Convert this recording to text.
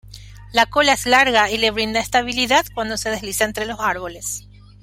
La cola es larga y le brinda estabilidad cuando se desliza entre los árboles.